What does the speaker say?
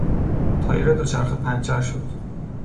تایر دوچرخه پنچر شد.